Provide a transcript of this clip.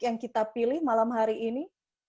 yang kita pilih malam hari ini